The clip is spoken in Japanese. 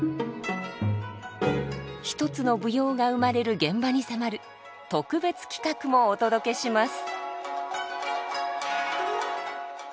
一つの舞踊が生まれる現場に迫る特別企画もお届けします。